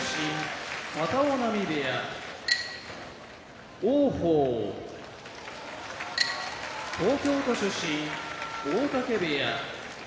片男波部屋王鵬東京都出身大嶽部屋